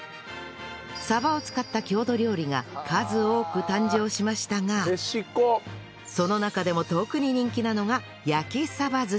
鯖を使った郷土料理が数多く誕生しましたがその中でも特に人気なのが